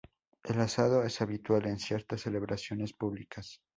El asado es habitual en ciertas celebraciones públicas.